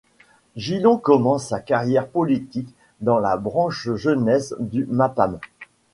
Gilon commence sa carrière politique dans la branche jeunesse du Mapam.